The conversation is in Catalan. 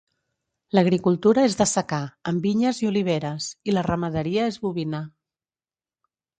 L'agricultura és de secà amb vinyes i oliveres, i la ramaderia és bovina.